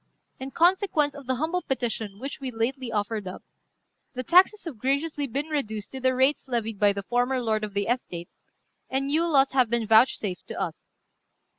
In consequence of the humble petition which we lately offered up, the taxes have graciously been reduced to the rates levied by the former lord of the estate, and new laws have been vouchsafed to us.